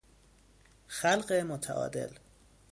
خلق متعادل